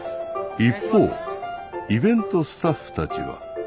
一方イベントスタッフたちは。